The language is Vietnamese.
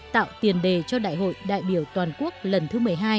tạo tiền đề cho đại hội đại biểu toàn quốc lần thứ một mươi hai